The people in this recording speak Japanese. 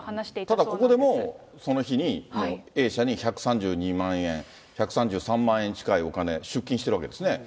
ただここでもう、その日に、もうＡ社に１３２万円、１３３万円近いお金、出金してるわけですね。